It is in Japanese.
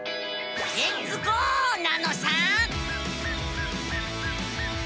レッツゴー！なのさ。